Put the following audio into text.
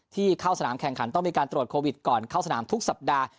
ที่เข้าสนามแข่งขันต้องมีการตรวจโควิดก่อนเข้าสนามทุกสัปดาห์